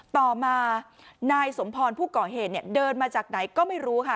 ต่อมานายสมพรผู้ก่อเหตุเนี่ยเดินมาจากไหนก็ไม่รู้ค่ะ